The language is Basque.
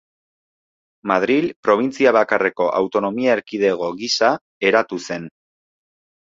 Madril probintzia bakarreko autonomia erkidego gisa eratu zen.